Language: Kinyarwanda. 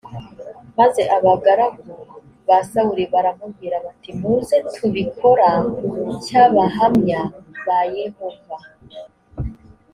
maze abagaragu ba sawuli baramubwira bati muze tubikora cy abahamya ba yehova